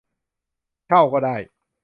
เช่าก็ได้